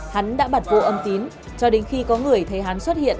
hắn đã bật vô âm tín cho đến khi có người thấy hắn xuất hiện